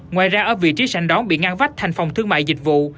ngoài ra ở vị trí sảnh đón bị ngăn vách thành phòng thương mại dịch vụ